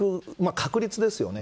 確率ですよね